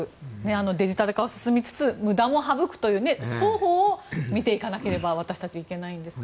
デジタル化は進みつつ無駄も省くという双方を見ていかなければいけないんですね。